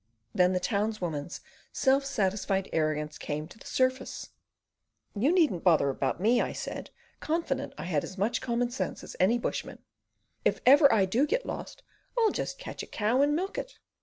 Then the townswoman's self satisfied arrogance came to the surface. "You needn't bother about me," I said, confident I had as much common sense as any bushman. "If ever I do get lost, I'll just catch a cow and milk it."